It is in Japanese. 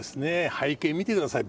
背景見てください。